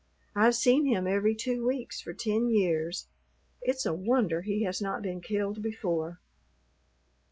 I've seen him every two weeks for ten years. It's a wonder he has not been killed before."